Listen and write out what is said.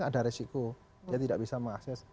ada resiko dia tidak bisa mengakses